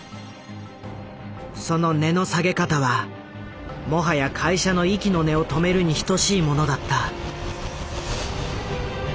その値の下げ方はもはや会社の息の根を止めるに等しいものだった。